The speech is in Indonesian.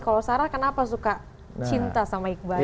kalau sarah kenapa suka cinta sama iqbal